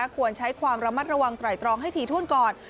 ควรใช้ความระมัดระวังไตรตรองให้ถี่ถ้วนก่อน